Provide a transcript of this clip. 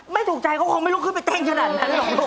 ไม่ถูกใจเขาคงไม่ลุกขึ้นไปเต้นขนาดนั้นหรอกลูก